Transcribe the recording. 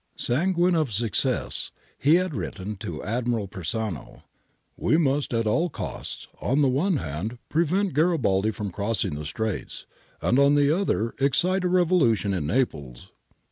Sanguine of success, he had written to Admiral Persano:"'^ 'We must at all costs, on the one hand prevent Garibaldi from crossing the Straits, and on the other excite a revolution in Naples.